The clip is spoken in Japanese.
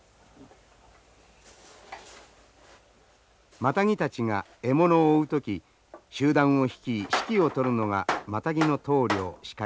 マタギたちが獲物を追う時集団を率い指揮を執るのがマタギの統領シカリです。